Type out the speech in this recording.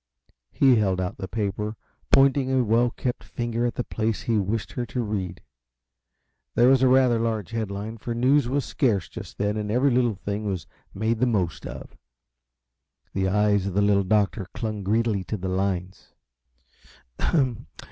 He held out the paper, pointing a well kept finger at the place he wished her to read. There was a rather large headline, for news was scarce just then and every little thing was made the most of. The eyes of the Little Doctor clung greedily to the lines.